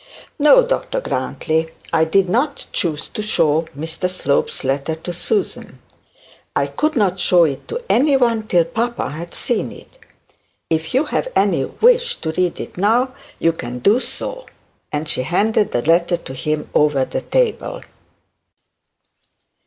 'No, Dr Grantly, I did not choose to show Mr Slope's letter to Susan. I could not show it to any one till papa had seen it. If you have any wish to read it now, you can do so,' and she handed the letter to him over the table.